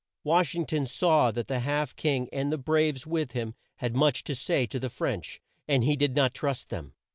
Wash ing ton saw that the Half King and the braves with him had much to say to the French, and he did not trust them.